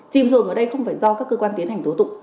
chìm dồn ở đây không phải do các cơ quan tiến hành tố tụng